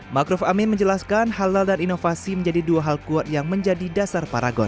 makruf amin menjelaskan halal dan inovasi menjadi dua hal kuat yang menjadi dasar paragon